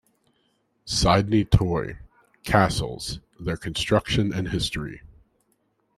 Sideny Toy: "Castles: their construction and history"